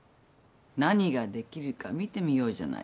何ができるか見てみようじゃないか。